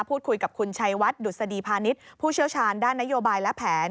พูดคุยกับคุณชัยวัดดุษฎีพาณิชย์ผู้เชี่ยวชาญด้านนโยบายและแผน